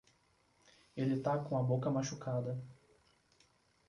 Ele tá com a boca machucada.